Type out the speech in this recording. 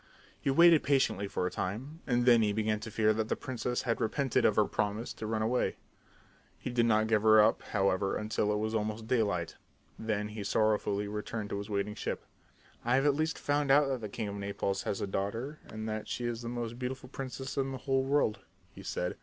He waited very patiently for a time and then he began to fear that the princess had repented of her promise to run away. He did not give her up, however, until it was almost daylight. Then he sorrowfully returned to his waiting ship. [Illustration: Then he sorrowfully returned to his waiting ship] "I have at least found out that the king of Naples has a daughter and that she is the most beautiful princess in the whole world," he said.